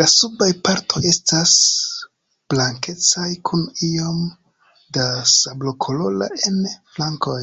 La subaj partoj estas blankecaj kun iom da sablokolora en flankoj.